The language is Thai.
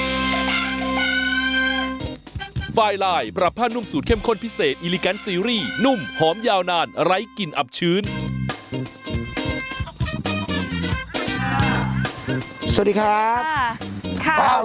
สวัสดีครับข้าวใส่ไข่สดอ่ะทำไมช้าช้าไม่